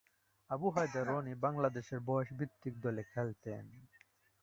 আবু হায়দার রনি বাংলাদেশের বয়সভিত্তিক দলে খেলেন।